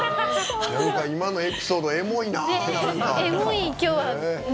今のエピソードエモいな。